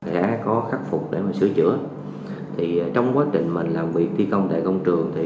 đã có khắc phục để mà sửa chữa thì trong quá trình mình làm việc thi công tại công trường thì